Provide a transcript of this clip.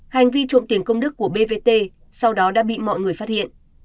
hành vi trộm tiền công đức của bvt sau đó đã bị mọi người phát hiện